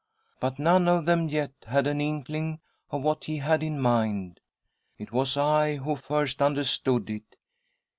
But none of them yet had an inkling of what he had in mind. It was I who first understood it.